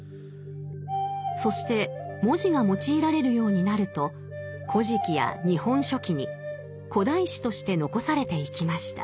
そして文字が用いられるようになると「古事記」や「日本書紀」に古代史として残されていきました。